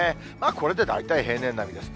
これで大体平年並みです。